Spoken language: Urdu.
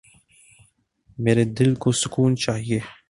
میرے دل کو سکون چایئے